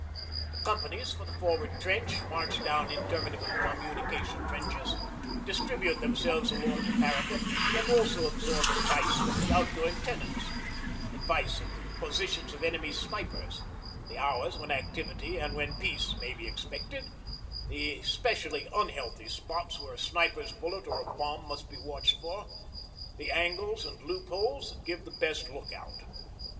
The companies for the forward trench march down interminable communication trenches, distribute themselves along the parapet, and also absorb advice from the outgoing tenants advice of the positions of enemy snipers, the hours when activity and when peace may be expected, the specially 'unhealthy' spots where a sniper's bullet or a bomb must be watched for, the angles and loopholes that give the best look out.